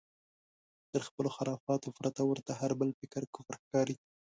تر خپلو خرافاتو پرته ورته هر بل فکر کفر ښکاري.